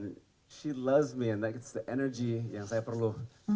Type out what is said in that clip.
dia suka dengan saya dan itu energi yang saya perlu